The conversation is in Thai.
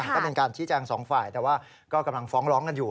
ก็เป็นการชี้แจงสองฝ่ายแต่ว่าก็กำลังฟ้องร้องกันอยู่